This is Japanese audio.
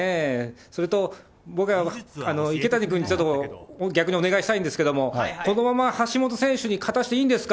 それと、僕は池谷君にちょっと、逆にお願いしたいんですけど、このまま橋本選手に勝たしていいんですか？